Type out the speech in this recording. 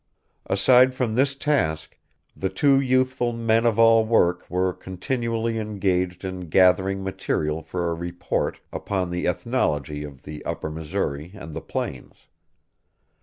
Aside from this task, the two youthful men of all work were continually engaged in gathering material for a report upon the ethnology of the Upper Missouri and the plains.